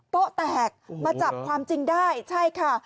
โต๊ะแตกมาจับความจริงได้ใช่ค่ะ